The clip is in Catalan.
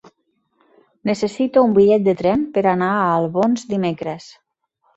Necessito un bitllet de tren per anar a Albons dimecres.